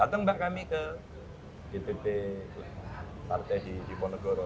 datang mbak kami ke gpp partai di ponegoro